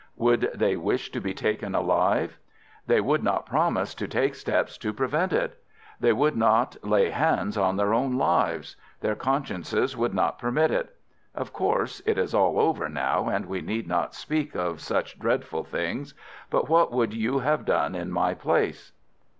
"Would they wish to be taken alive?" "They would not promise to take steps to prevent it. They would not lay hands on their own lives. Their consciences would not permit it. Of course, it is all over now, and we need not speak of such dreadful things. But what would you have done in my place?"